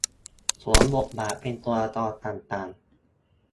สวมบทบาทเป็นตัวละครต่างต่าง